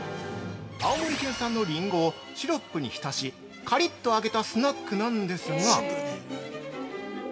青森県産のりんごをシロップに浸しカリッと揚げたスナックなんですが◆